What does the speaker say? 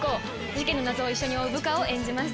事件の謎を一緒に追う部下を演じます。